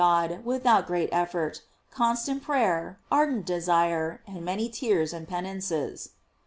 God without great effort, constant prayer, ai> dent desire, and many tears and penances."